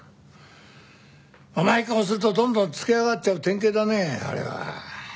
甘い顔するとどんどんつけ上がっちゃう典型だねあれは。